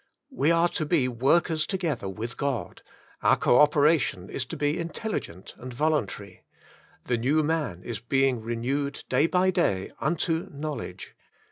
We are to be workers together with God ; our co operation is to be intelligent and voluntary, " The new man is being renewed day by day UNTO Knowledge.""